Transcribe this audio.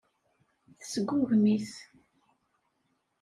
Tesgugem-it.